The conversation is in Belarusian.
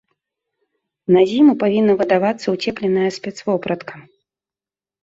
На зіму павінна выдавацца ўцепленая спецвопратка.